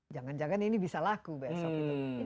jangan jangan ini bisa laku besok gitu